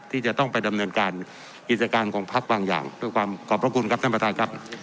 ที่จะต้องไปดำเนินการกิจการของพักบางอย่างเพื่อความขอบพระคุณครับท่านประธานครับ